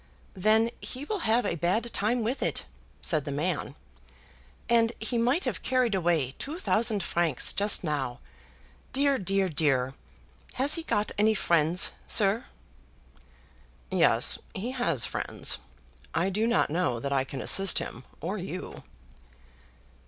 "Then he will have a bad time with it," said the man. "And he might have carried away two thousand francs just now! Dear, dear, dear! Has he got any friends, sir?" "Yes, he has friends. I do not know that I can assist him, or you."